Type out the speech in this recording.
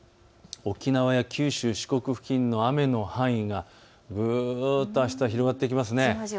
沖縄や九州、四国付近の雨の範囲がぐっとあした、広がっていきます。